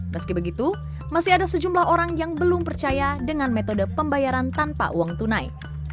meski begitu masih ada sejumlah orang yang belum percaya dengan metode pembayaran tanpa uang tunai